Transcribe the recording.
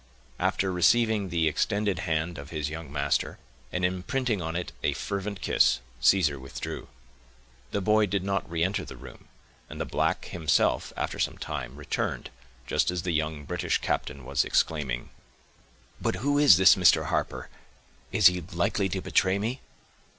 After receiving the extended hand of his young master, and imprinting on it a fervent kiss, Caesar withdrew. The boy did not reenter the room; and the black himself, after some time, returned, just as the young British captain was exclaiming,— "But who is this Mr. Harper?—is he likely to betray me?"